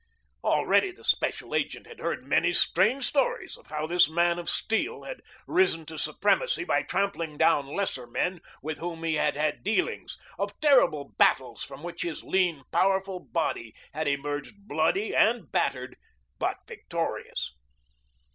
Already the special agent had heard many strange stories of how this man of steel had risen to supremacy by trampling down lesser men with whom he had had dealings, of terrible battles from which his lean, powerful body had emerged bloody and battered, but victorious.